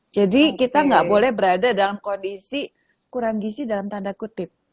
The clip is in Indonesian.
jadi kita nggak boleh berada dalam kondisi kurang gizi dalam tanda kutip